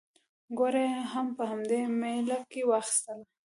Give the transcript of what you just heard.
ګوړه یې هم په همدې مېله کې واخیستله.